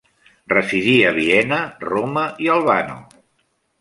Residí a Viena, Roma i Albano.